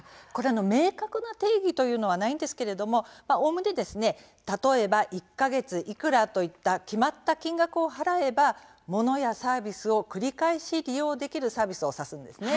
明確な定義はないんですけれどもおおむね１か月いくらといった決まった金額を払えばモノやサービスを繰り返し利用できるサービスをさすものです。